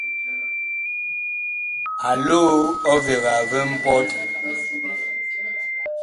A loo ɔvega vi mpɔt.